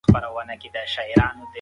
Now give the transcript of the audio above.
شریف په خپله دنده کې ډېر زیار باسي.